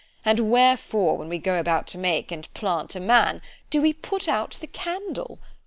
and wherefore, when we go about to make and plant a man, do we put out the candle?